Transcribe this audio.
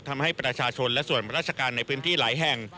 ทำให้ประชาชนและส่วนราชการในพื้นที่หลายแห่ง